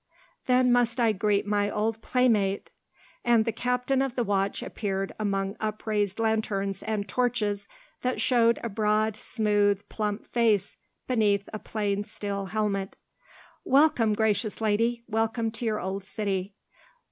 Then must I greet my old playmate!" And the captain of the watch appeared among upraised lanterns and torches that showed a broad, smooth, plump face beneath a plain steel helmet. "Welcome, gracious lady, welcome to your old city.